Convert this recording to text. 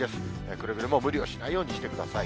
くれぐれも無理をしないようにしてください。